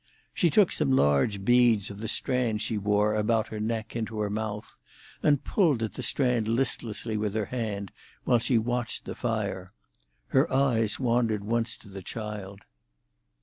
She took some large beads of the strand she wore about her neck into her mouth, and pulled at the strand listlessly with her hand while she watched the fire. Her eyes wandered once to the child.